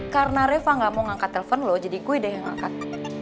karena reva ga mau ngangkat telfon lo jadi gue deh yang ngangkat